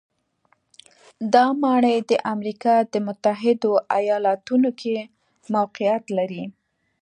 دا ماڼۍ د امریکا د متحدو ایالتونو کې موقعیت لري.